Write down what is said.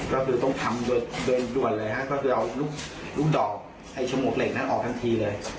ก็คือต้องทำโดยด่วนเลยฮะก็คือเอาลูกดอกไอ้ฉมวกเหล็กนั้นออกทันทีเลย